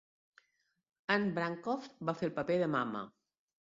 Anne Bancroft va fer el paper de Mama.